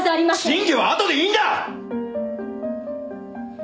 真偽はあとでいいんだ！